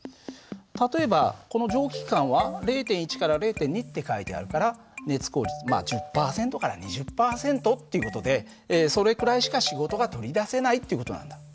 例えばこの蒸気機関は０．１０．２って書いてあるから熱効率１０％から２０％っていう事でそれくらいしか仕事が取り出せないっていう事なんだ。